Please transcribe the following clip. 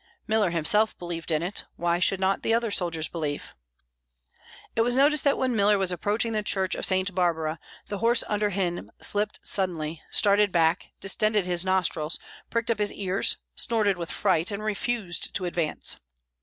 Miller himself believed in it; why should not the soldiers believe? It was noticed that when Miller was approaching the church of Saint Barbara, the horse under him slipped suddenly, started back, distended his nostrils, pricked up his ears, snorted with fright, and refused to advance.